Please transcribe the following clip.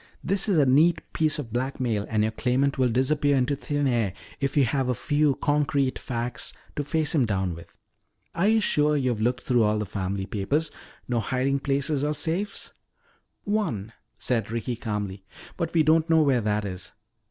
This is a neat piece of blackmail and your claimant will disappear into thin air if you have a few concrete facts to face him down with. Are you sure you've looked through all the family papers? No hiding places or safes " "One," said Ricky calmly, "but we don't know where that is.